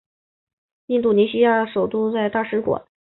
印度尼西亚在首都帝力设有大使馆。